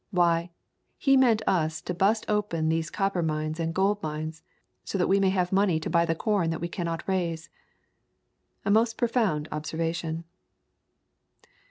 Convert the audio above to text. Why, He meant us to bust open these copper mines and gold mines, so that we may have money to buy the corn that we cannot raise."" A most profound observation.